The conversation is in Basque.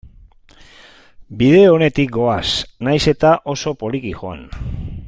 Bide onetik goaz, nahiz eta oso poliki joan.